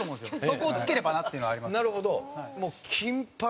そこを突ければなっていうのはありますね。